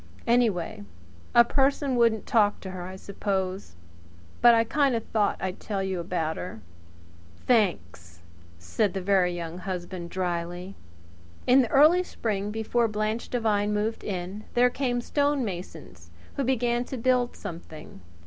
Anyway a person wouldn't talk to her, I suppose. But I kind of thought I'd tell you about her." "Thanks!" said the Very Young Husband dryly. In the early spring, before Blanche Devine moved in, there came stonemasons, who began to build something.